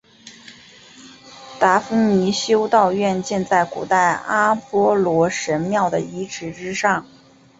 达夫尼修道院建在古代阿波罗神庙的遗址之上。